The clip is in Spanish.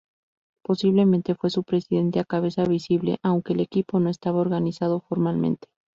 Posiblemente fue su presidente o cabeza visible, aunque el equipo no estaba organizado formalmente.